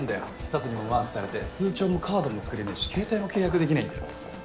サツにもマークされて通帳もカードも作れねぇし携帯も契約できないんだよ。